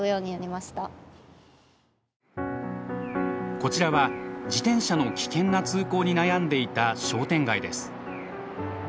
こちらは自転車の危険な通行に悩んでいた商店街です。